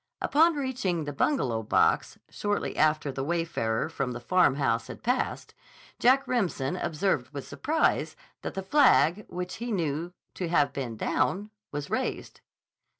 Upon reaching the Bungalow box, shortly after the wayfarer from the Farmhouse had passed, Jack Remsen observed with surprise that the flag, which he knew to have been down, was raised.